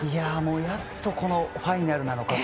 やっとこのファイナルなのかと。